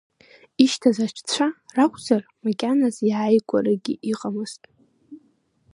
Ишьҭаз аҽцәа ракәзар, макьаназ иааигәарагьы иҟамызт.